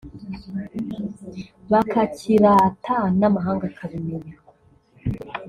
bakakirata n’amahanga akabimenya